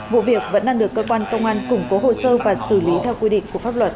vụ việc vẫn đang được cơ quan công an củng cố hồ sơ và xử lý theo quy định của pháp luật